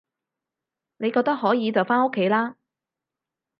你覺得可以就返屋企啦